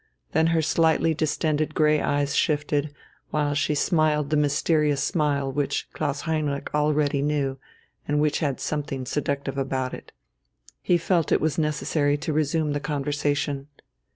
Then her slightly distended grey eyes shifted, while she smiled the mysterious smile which Klaus Heinrich already knew and which had something seductive about it. He felt it was necessary to resume the conversation.